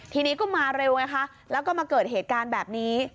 ทีนี้ก็มาเร็วไงคะแล้วก็มาเกิดเหตุการณ์แบบนี้